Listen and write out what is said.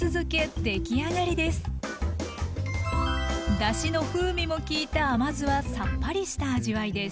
だしの風味も効いた甘酢はさっぱりした味わいです。